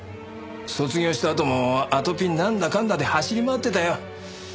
卒業したあともあとぴんなんだかんだで走り回ってたよ。